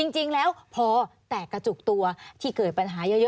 จริงแล้วพอแตกกระจุกตัวที่เกิดปัญหาเยอะ